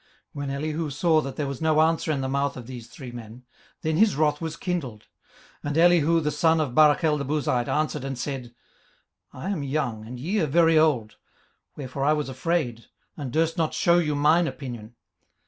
18:032:005 When Elihu saw that there was no answer in the mouth of these three men, then his wrath was kindled. 18:032:006 And Elihu the son of Barachel the Buzite answered and said, I am young, and ye are very old; wherefore I was afraid, and durst not shew you mine opinion.